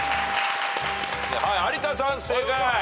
はい有田さん正解。